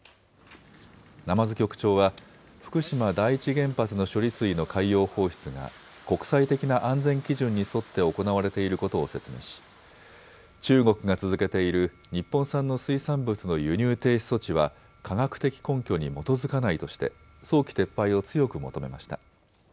鯰局長は福島第一原発の処理水の海洋放出が国際的な安全基準に沿って行われていることを説明し中国が続けている日本産の水産物の輸入停止措置は科学的根拠に基づかないとして早期撤廃を強く求めました。